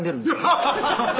アハハハ